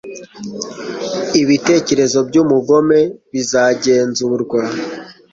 ibitekerezo by'umugome bizagenzurwa